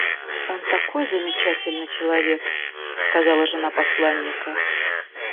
Он такой замечательный человек, —сказала жена посланника.